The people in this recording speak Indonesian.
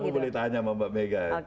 itu kamu boleh tanya sama mbak mega